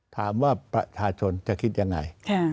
ถามว่าประชาชนจะคิดยังไง